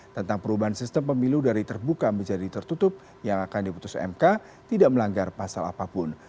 tentang perubahan sistem pemilu dari terbuka menjadi tertutup yang akan diputus mk tidak melanggar pasal apapun